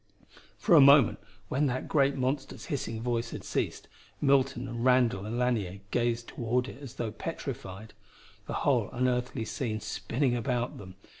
For a moment, when the great monster's hissing voice had ceased, Milton and Randall and Lanier gazed toward it as though petrified, the whole unearthly scene spinning about them.